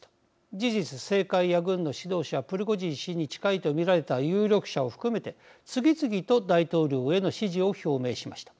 事実、政界や軍の指導者プリゴジン氏に近いと見られた有力者を含めて次々と大統領への支持を表明しました。